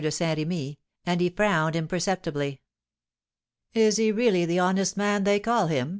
de Saint Remy, and he frowned imperceptibly. "Is he really the honest man they call him?"